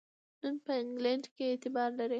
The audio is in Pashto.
نن په انګلینډ کې اعتبار لري.